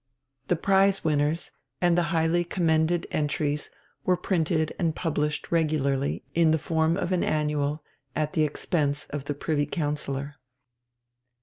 The prize winners and the highly commended entries were printed and published regularly in the form of an annual at the expense of the Privy Councillor.